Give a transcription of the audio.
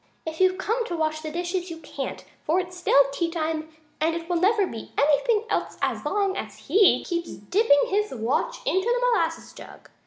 "If you've come to wash the dishes you can't, for it's still tea time and it never will be anything else as long as he keeps dipping his watch in the molasses jug!